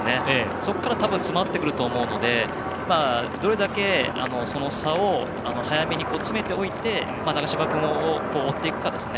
そこから多分詰まってくると思うのでどれだけ差を早めに詰めておいて長嶋君を追っていくかですね。